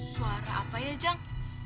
suara apa ya jang